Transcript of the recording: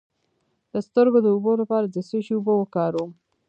د سترګو د اوبو لپاره د څه شي اوبه وکاروم؟